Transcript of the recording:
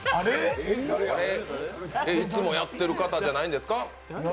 いつもやってる方じゃないんですか？